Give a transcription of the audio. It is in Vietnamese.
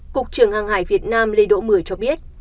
cục trưởng hàng hải việt nam lê đỗ mửa cho biết